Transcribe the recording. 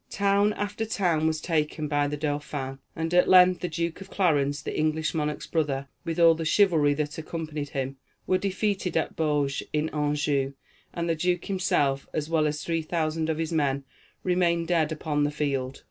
Town after town was taken by the Dauphin; and at length the Duke of Clarence, the English monarch's brother, with all the chivalry that accompanied him, were defeated at Baugé, in Anjou, and the duke himself, as well as three thousand of his men, remained dead upon the field.